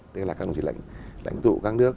tức là các đồng chí lãnh tụ các nước